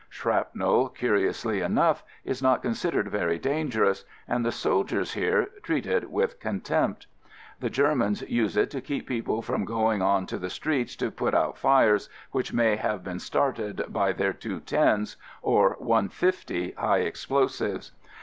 1 Shrapnel, curiously enough, is not con sidered very dangerous and the soldiers r^_ <^RftAMS here treat it with contempt. The Ger mans use it to keep people from going on to the streets to put out fires which may have been started by their "210's" or "150" high explosives.